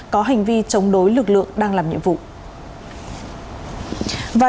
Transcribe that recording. có hành vi chống đối lực lượng đang làm nhiệm vụ